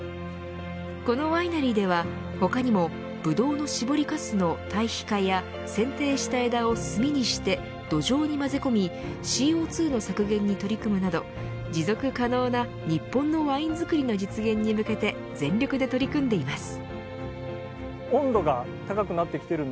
このワイナリーでは他にもブドウの搾りかすの堆肥化や剪定した枝を炭にして土壌に混ぜ込みＣＯ２の削減に取り組むなど持続可能な日本のワイン造りの実現に向けて全力で取り組んでいます。